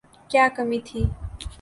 کیا کمی تھی۔